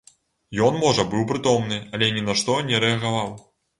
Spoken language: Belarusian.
Ён можа быў прытомны, але ні на што не рэагаваў.